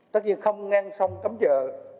tất nhiên không ngăn sông cấm chờ